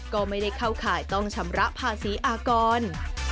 ก็ไม่ได้เข้าข่ายต้องชำระภาษีอากร